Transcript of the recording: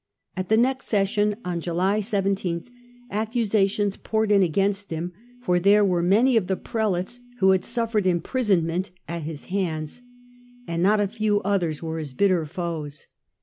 At the next session on July iyth accusations poured in against him, for there were many of the Prelates who had suffered imprisonment at his hands and not a few others were his bitter foes.